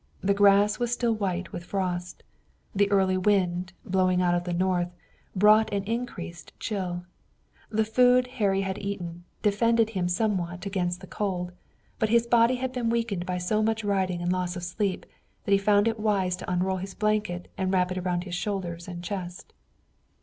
The grass was still white with frost. The early wind, blowing out of the north, brought an increased chill. The food Harry had eaten defended him somewhat against the cold, but his body had been weakened by so much riding and loss of sleep that he found it wise to unroll his blanket and wrap it around his shoulders and chest.